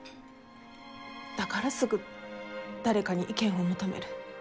だからすぐ誰かに意見を求める。